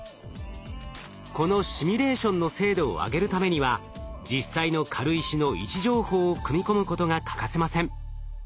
このシミュレーションの精度を上げるためには実際の軽石の位置情報を組み込むことが欠かせません。